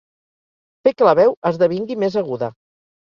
Fer que la veu esdevingui més aguda.